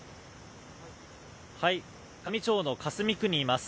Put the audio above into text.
香美町の香住区にいます。